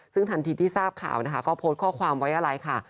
ซึ่งทันทีที่ทราบข่าวนะคะก็โพสต์ข้อความไว้อะไรค่ะ